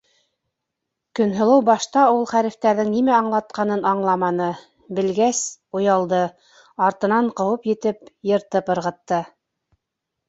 Көнһылыу башта ул хәрефтәрҙең нимә аңлатҡанын аңламаны, белгәс, оялды, артынан ҡыуып етеп, йыртып ырғытты...